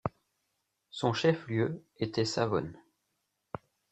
Son chef-lieu était Savone.